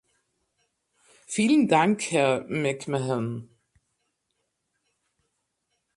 Vielen Dank, Herr McMahon.